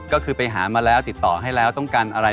ก็คือไปหามาแล้วติดต่อให้แล้วต้องการอะไร